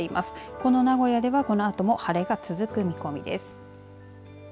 この名古屋では、このあとも晴れが続く見込みです。